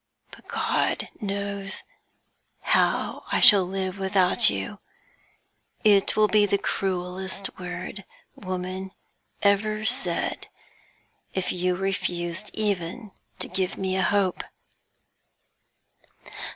But God knows how I shall live without you; it would be the cruelest word woman ever said if you refused even to give me a hope.'